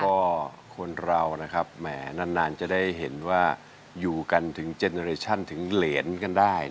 ก็คนเรานะครับแหมนานจะได้เห็นว่าอยู่กันถึงเจนเรชั่นถึงเหรนกันได้